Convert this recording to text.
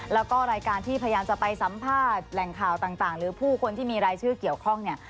แล้วก็รายการที่พยายามจะไปสัมภาษณ์แหล่งข่าวต่างหรือผู้คนที่มีรายชื่อเกี่ยวข้องเนี่ย